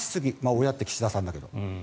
親って岸田さんだけど。